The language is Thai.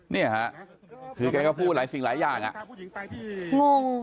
เนี่ยค่ะคือแกก็พูดหลายสิ่งหลายอย่างงง